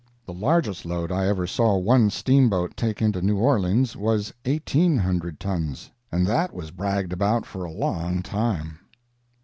The largest load I ever saw one steamboat take into New Orleans was eighteen hundred tons, and that was bragged about for a long time.